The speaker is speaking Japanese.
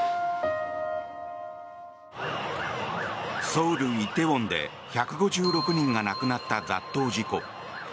ソウル・梨泰院で１５６人が亡くなった雑踏事故。